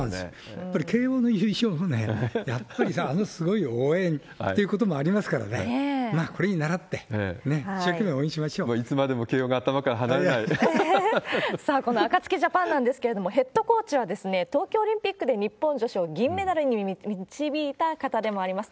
やっぱり慶応の優勝もね、やっぱりさ、あのすごい応援っていうこともありますからね、これに倣って、いつまでも慶応が頭から離れさあ、このアカツキジャパンなんですけれども、ヘッドコーチは東京オリンピックで日本女子を銀メダルに導いた方でもあります。